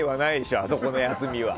あそこの休みは。